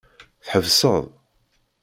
Tḥebseḍ.